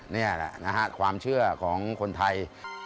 นี่แหละนะฮะความเชื่อของคนไทย